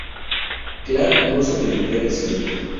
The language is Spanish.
Clark no sobrevivió al accidente.